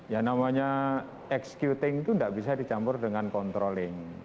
ya namanya executing itu tidak bisa dicampur dengan controlling